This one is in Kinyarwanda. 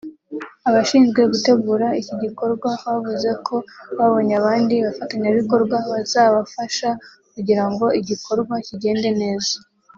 Abashinzwe gutegura iki gikorwa bavuze ko babonye abandi bafatanyabikorwa bazabafasha kugira ngo igikorwa kigende neza